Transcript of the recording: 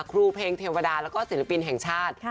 ครูเพลงเทวดาแล้วก็ศิลปินแห่งชาติ